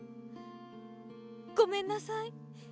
ごめんなさい。